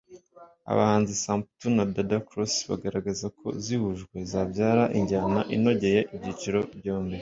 abahanzi Samputu na Dada Cross bagaragaza ko zihujwe zabyara injyana inogeye ibyiciro byombi